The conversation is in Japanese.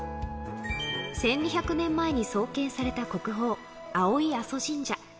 １２００年前に創建された国宝、青井阿蘇神社。